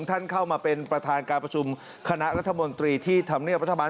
ท่านเข้ามาเป็นประธานการประชุมคณะรัฐมนตรีที่ธรรมเนียบรัฐบาล